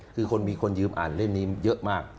คือคนมีคนยืมอ่านเล่มนี้เยอะมาก